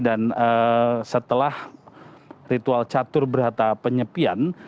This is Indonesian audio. dan setelah ritual catur berhata penyepian